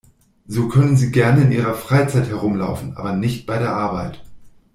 So können Sie gerne in Ihrer Freizeit herumlaufen, aber nicht bei der Arbeit.